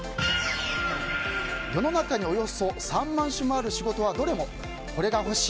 世の中におよそ３万種もある仕事はどれも、これがほしい